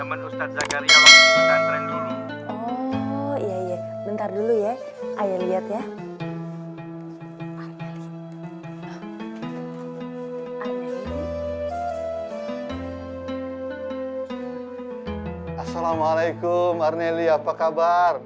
assalamualaikum arnali apa kabar